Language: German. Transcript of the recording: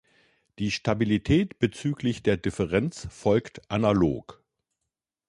Die Stabilität bezüglich der Differenz folgt analog.